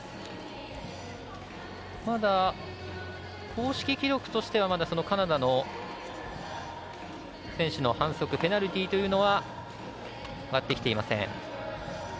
まだ、公式記録としてはカナダの選手の反則ペナルティーというのは上がってきていません。